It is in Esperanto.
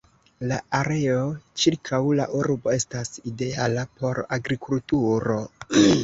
La areo ĉirkaŭ la urbo estas ideala por agrikulturo.